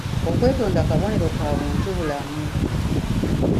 Okwetonda kabonero ka obuntubulamu.